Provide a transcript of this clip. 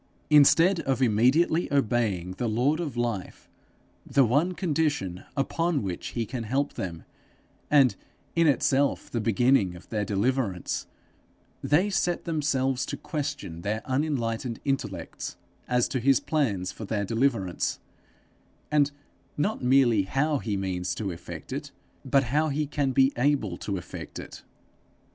Instead of immediately obeying the Lord of life, the one condition upon which he can help them, and in itself the beginning of their deliverance, they set themselves to question their unenlightened intellects as to his plans for their deliverance and not merely how he means to effect it, but how he can be able to effect it.